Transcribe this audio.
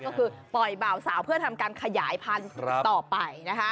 ก็คือปล่อยบ่าวสาวเพื่อทำการขยายพันธุ์ต่อไปนะคะ